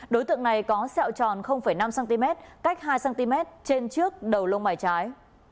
đối tượng này có xẹo tròn năm cm cách hai cm trên trước đầu lông bài trái